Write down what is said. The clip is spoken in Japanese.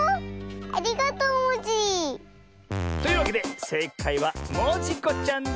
ありがとうモジ！というわけでせいかいはモジコちゃんでした！